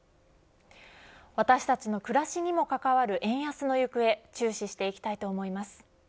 私たちの暮らしにも関わる円安の行方注視していきたいと思います。